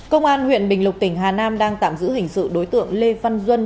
công an huyện bình lục tỉnh hà nam đang tạm giữ hình sự đối tượng lê văn duân